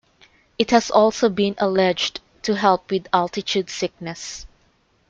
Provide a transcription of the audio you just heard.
It has also been alleged to help with altitude sickness.